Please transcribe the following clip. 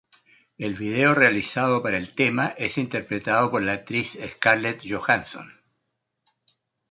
El video realizado para el tema, es interpretado por la actriz Scarlett Johansson.